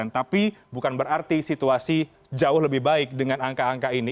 tapi bukan berarti situasi jauh lebih baik dengan angka angka ini